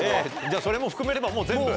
じゃあそれも含めればもう全部。